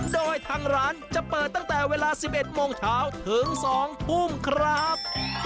โดยทางร้านจะเปิดตั้งแต่เวลา๑๑โมงเช้าถึง๒ทุ่มครับ